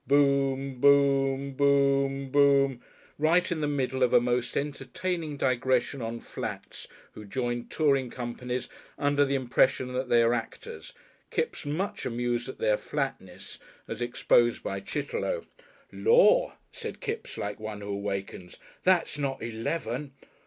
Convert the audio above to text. "Boom.... Boom.... Boom.... Boom.... right in the middle of a most entertaining digression on flats who join touring companies under the impression that they are actors, Kipps much amused at their flatness as exposed by Chitterlow. "Lor'!" said Kipps like one who awakens, "that's not eleven!"